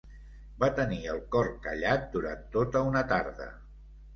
Va tenir el cor callat durant tota una tarda.